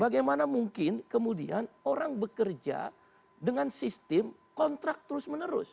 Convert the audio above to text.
bagaimana mungkin kemudian orang bekerja dengan sistem kontrak terus menerus